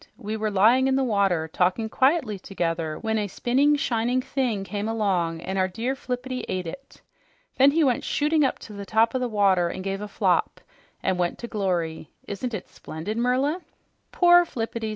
"We were lying in the water, talking quietly together when a spinning, shining thing came along and our dear Flippity ate it. Then he went shooting up to the top of the water and gave a flop and went to glory! Isn't it splendid, Merla?" "Poor Flippity!"